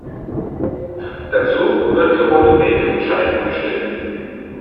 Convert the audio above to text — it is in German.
Dazu wird die Rote Bete in Scheiben geschnitten.